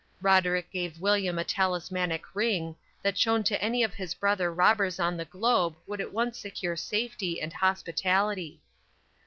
Roderick gave William a talismanic ring that shown to any of his brother robbers on the globe would at once secure safety and hospitality.